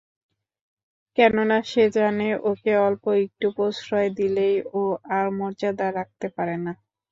কেননা সে জানে ওকে অল্প একটু প্রশ্রয় দিলেই ও আর মর্যাদা রাখতে পারে না।